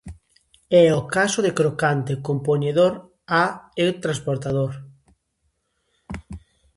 É o caso de crocante, compoñedor -a e transportador.